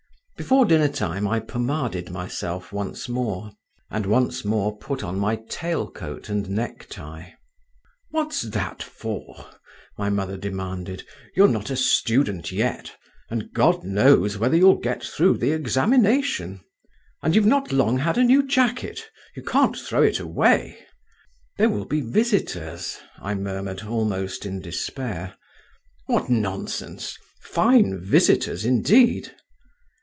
Before dinner time I pomaded myself once more, and once more put on my tail coat and necktie. "What's that for?" my mother demanded. "You're not a student yet, and God knows whether you'll get through the examination. And you've not long had a new jacket! You can't throw it away!" "There will be visitors," I murmured almost in despair. "What nonsense! fine visitors indeed!"